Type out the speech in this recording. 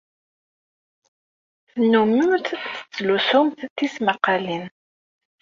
Tennummemt tettlusumt tismaqqalin?